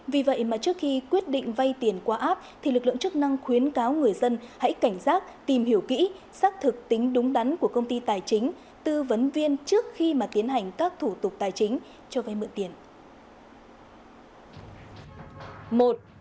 vì vậy mà trước khi quyết định vay tiền qua app thì lực lượng chức năng khuyến cáo người dân hãy cảnh giác tìm hiểu kỹ xác thực tính đúng đắn của công ty tài chính tư vấn viên trước khi mà tiến hành các thủ tục tài chính cho vay mượn tiền